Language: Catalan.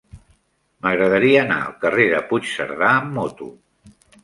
M'agradaria anar al carrer de Puigcerdà amb moto.